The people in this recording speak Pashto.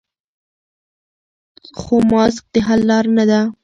خو ماسک د حل لاره نه ده.